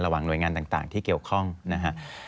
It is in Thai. ระหว่างหน่วยงานต่างที่เกี่ยวข้องนะครับ